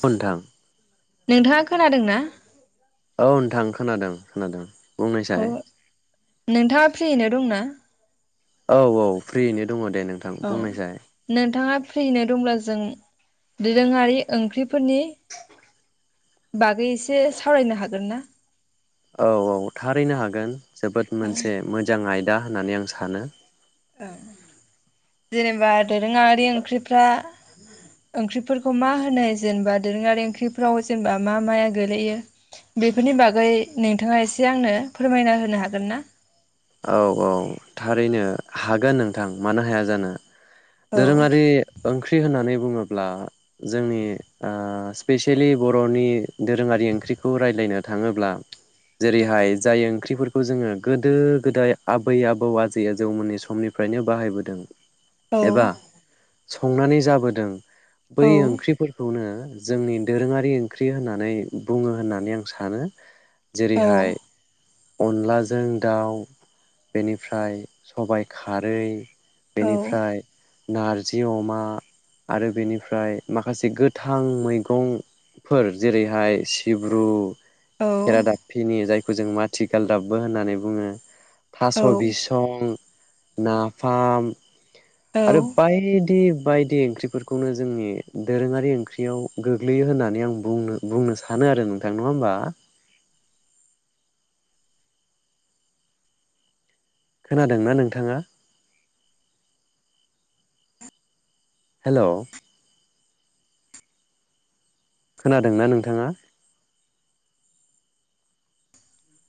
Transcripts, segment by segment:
अ नोंथां। नोंथाङा खोनादोंना? औ नोंथां खोनादों खोनादों। अ बुंनायसाय नोंथाङा फ्रियैनो दङ ना? औ औ फ्रियैनो दङ। दे नोंथां औ बुंनायसाय नोंथाङा फ्रियैनो दंब्ला जों दोरोङारि ओंख्रिफोरनि बागै एसे सावरायनो हागोन ना? औ औ थारैनो हागोन। जोबोद मोनसे मोजां आय दा होननानै आं सानो। औ जेनेबा दोरोङारि ओंख्रिफ्रा ओंख्रिफोरखौ मा होनो जेनेबा दोरोङारि ओंख्रिफ्राव जेनेबा मा माया गोलैयो बेफोरनि बागै नोंथाङा एसे आंनो फोरमायना होनो हागोन ना? औ औ थारैनो हागोन नोंथां मानो हाया जानो। औ दोरोङारि ओंख्रि होननानै बुङो। ब्ला जोंनि ओ स्पेसिलि बर'नि दोरोङारि ओंख्रिखौ रायज्लायनो थाङोब्ला जेरैहाय जाय ओंख्रिफोरखौ जोङो गोदो गोदाय आबै आबौ आजै‌ आजौमोननि समनिफ्रायनो बाहायबोदों एबा औ। संनानै जाबोदों। औ बै ओंख्रिफोरखौनो जोंनि दोरोङारि ओंख्रि होननानै बुङो होननानै आं सानो। औ जेरैहाय अनलाजों दाउ बेनिफ्राय सबाय खारै औ बेनिफ्राय नारजि अमा आरो बेनिफ्राय माखासे गोथां मैगंफोर जेरैहाय सिब्रु औ खेरा दाफिनि जाय खौ जों माथि गालदाबबो होननानै बुङो। थास' औ बिसं नाफाम आरो बायदि बायदि ओंख्रिफोरखौनो जोंनि दोरोङारि ओंख्रियाव गोग्लैयो होननानै आं बुंनो सानो आरो नोंथां नङा होनबा। खोनादोंना नोंथाङा। हेलौ। खोनादोंना नोंथाङा।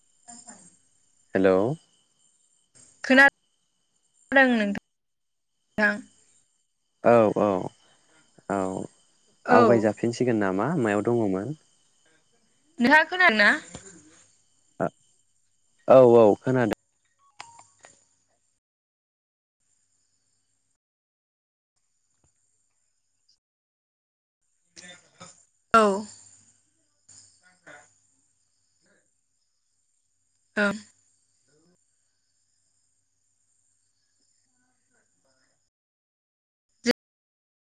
[inaudible] हेलौ। खोनादों खोनादों नोंथां नोंथां। औ औ औ। औ आवगायजाफिनसिगोन नामा? मा मायाव दङमोन? नोंहा खोनादोंना? औ औ खोनादों। औ। आ औ